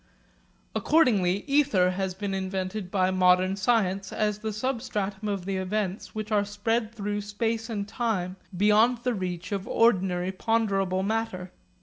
Accordingly ether has been invented by modern science as the substratum of the events which are spread through space and time beyond the reach of ordinary ponderable matter.